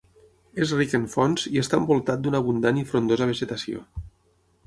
És ric en fonts i està envoltat d'una abundant i frondosa vegetació.